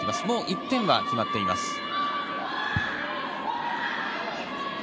もう１点は決まっています。